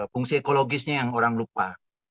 fungsi ekologisnya yang orang lupa